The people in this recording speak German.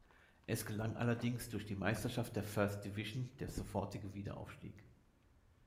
Es gelang allerdings durch die Meisterschaft der First Division der sofortige Wiederaufstieg.